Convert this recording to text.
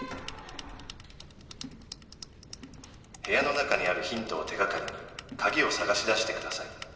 部屋の中にあるヒントを手掛かりに鍵を探し出してください。